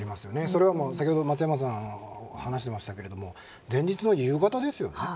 それは先ほど松山さんも話していましたが前日の夕方ですよね。